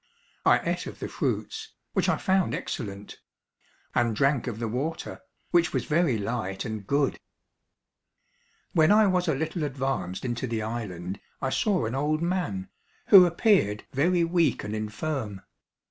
I ate of the fruits, which I found excellent; and drank of the water, which was very light and good. When I was a little advanced into the island I saw an old man, who appeared very weak and infirm.